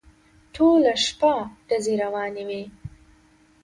ټوله شپه ډزې روانې وې.